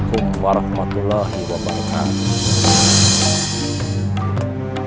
assalamualaikum warahmatullahi wabarakatuh